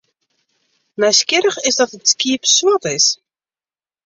Nijsgjirrich is dat it skiep swart is.